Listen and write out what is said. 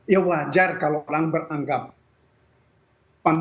ya wajar kalau orang beranggap